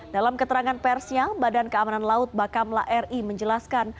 dalam keterangan persnya badan keamanan laut bakamla ri menjelaskan